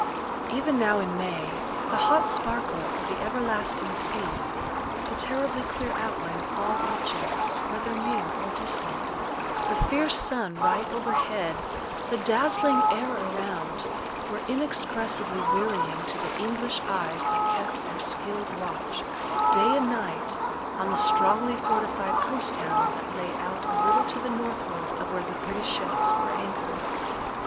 Even now in May, the hot sparkle of the everlasting sea, the terribly clear outline of all objects, whether near or distant, the fierce sun right overhead, the dazzling air around, were inexpressibly wearying to the English eyes that kept their skilled watch, day and night, on the strongly fortified coast town that lay out a little to the northward of where the British ships were anchored.